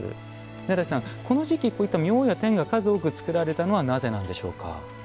根立さん、この時期この明王や天が数多く造られたのはなぜなんでしょうか。